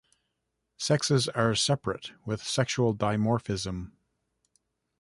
Sexes are separate with sexual dimorphism.